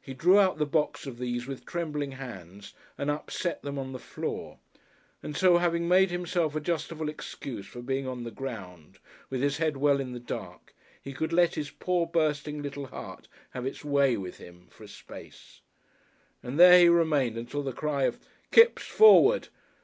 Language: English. He drew out the box of these with trembling hands and upset them on the floor, and so having made himself a justifiable excuse for being on the ground, with his head well in the dark, he could let his poor bursting little heart have its way with him for a space. And there he remained until the cry of "Kipps! Forward!"